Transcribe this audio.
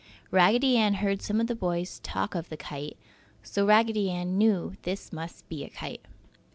Raggedy Ann heard some of the boys talk of "The Kite," so Raggedy Ann knew this must be a kite.